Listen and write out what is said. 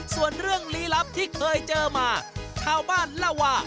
ส่วนเรื่องลี้ลับที่เคยเจอมาชาวบ้านเล่าว่า